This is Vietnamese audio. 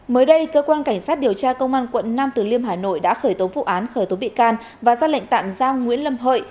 mới đây cơ quan cảnh sát điều tra công an quận năm từ liêm hà nội đã khởi tố phục án khởi tố bị can và ra lệnh tạm giao nguyễn lâm hội